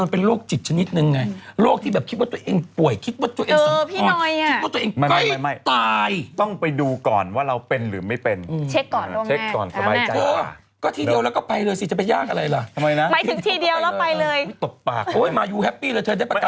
ก็บอกให้คนในครอบครัวดูทุกคนก็เห็นเหมือนกันว่าเออลักษณะคล้ายกับพญานาค